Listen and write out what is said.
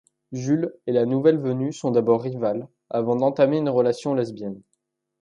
Jules et la nouvelle venue sont d'abord rivales, avant d'entamer une relation lesbienne.